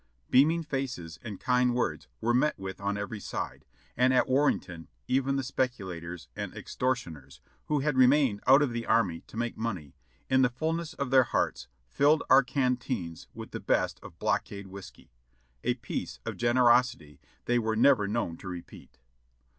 Beaming faces and kind words were met with on every side, and at Warrenton even the speculators and extortioners, who had remained out of the army to make money, in the fulness of their hearts filled our canteens with the best of blockade whiskey — a piece of generosity they were never known to repeat.